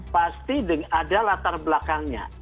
pasti ada latar belakangnya